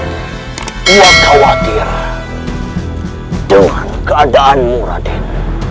dia khawatir dengan keadaanmu raden